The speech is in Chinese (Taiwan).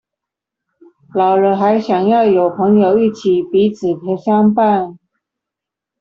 老了還想要有朋友一起彼此相伴